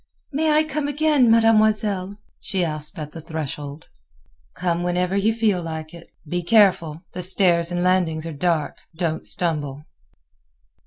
"May I come again, Mademoiselle?" she asked at the threshold. "Come whenever you feel like it. Be careful; the stairs and landings are dark; don't stumble."